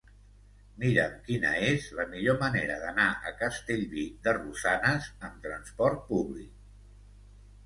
Mira'm quina és la millor manera d'anar a Castellví de Rosanes amb trasport públic.